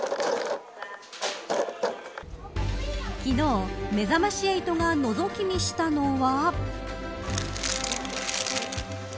昨日めざまし８がのぞき見したのは。